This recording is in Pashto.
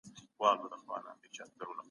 په ښوونځي کي کتابونه وړیا ورکول کېږي.